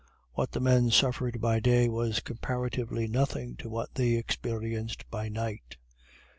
What the men suffered by day, was comparatively nothing to what they experienced by night.